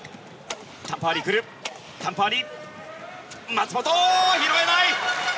松本、拾えない！